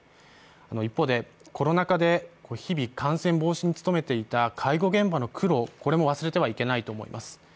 一方で、コロナ禍で日々感染防止に努めていた介護現場の苦労、これも忘れてはいけないと思います。